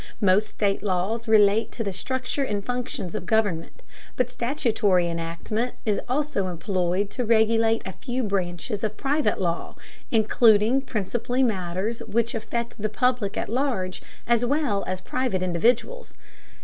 Most state laws relate to the structure and functions of government, but statutory enactment is also employed to regulate a few branches of private law, including principally matters which affect the public at large as well as private individuals.